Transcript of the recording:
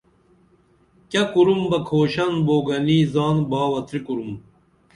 کیہ کُرُم بہ کُھوشن بُوگنی زان باوتری کُرُم